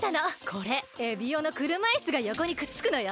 これエビオのくるまいすがよこにくっつくのよ。